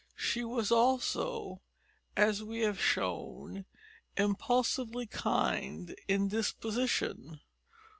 She was also, as we have shown, impulsively kind in disposition.